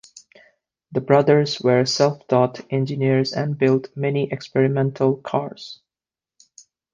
The brothers were self-taught engineers and built many experimental cars.